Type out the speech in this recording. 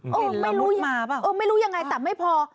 ลิ้นละมุดมาปะอ๋อไม่รู้ยังไงแต่ไม่พอ